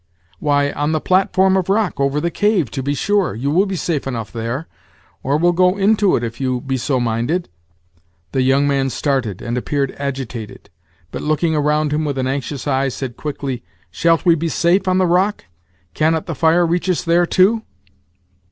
"Why, on the platform of rock over the cave, to be sure; you will be safe enough there, or we'll go Into It, if you be so minded." The young man started, and appeared agitated; but, Looking around him with an anxious eye, said quickly: "Shalt we be safe on the rock? cannot the fire reach us there, too?"